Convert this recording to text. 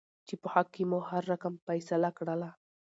چې په حق کې مو هر رقم فيصله کړله.